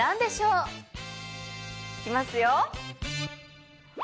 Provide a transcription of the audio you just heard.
行きますよ。